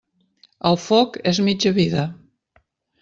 El foc és mitja vida.